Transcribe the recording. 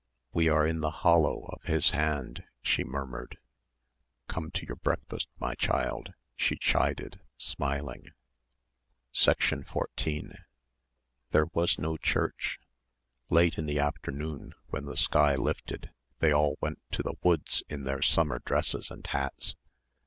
"We are in the hollow of His hand," she murmured. "Come to your breakfast, my child," she chided, smiling. 14 There was no church. Late in the afternoon when the sky lifted they all went to the woods in their summer dresses and hats.